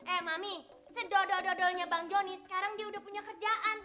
eh mami sedodol dodolnya bang joni sekarang dia udah punya kerjaan